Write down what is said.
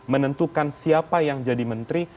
menentukan siapa yang jadi menteri